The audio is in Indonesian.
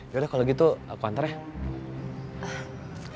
yaudah kalo gitu aku antar ya